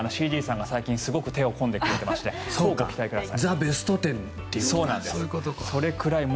最近すごく手を込んでくれていまして乞うご期待ください。